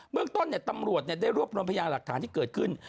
เมื่อก่อนเนี่ยตำรวจได้รวบรวมพยายามหลักฐานที่เกิดขึ้น